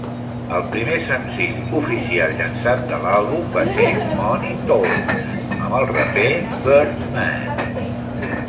El primer senzill oficial llançat de l'àlbum va ser "Money Talks" amb el raper Birdman.